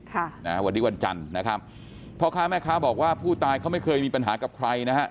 ค่ะนะฮะวันนี้วันจันทร์นะครับพ่อค้าแม่ค้าบอกว่าผู้ตายเขาไม่เคยมีปัญหากับใครนะฮะ